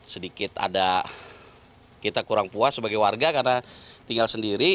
sedikit ada kita kurang puas sebagai warga karena tinggal sendiri